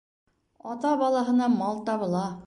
Ата балаһына мал табыла.